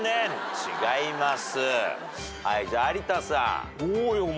違います。